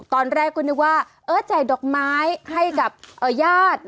ตอนแรกกูนึกว่าเอ๊อใจดอกไม้ให้กับยาจ